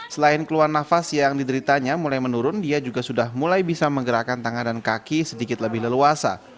selain keluhan nafas yang dideritanya mulai menurun dia juga sudah mulai bisa menggerakkan tangan dan kaki sedikit lebih leluasa